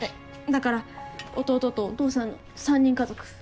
だから弟とお父さんの３人家族。